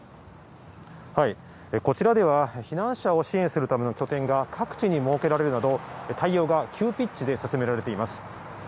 こちらでは、避難者を支援するための拠点が各地に設けられるなど、対応が急ピッチで進められています。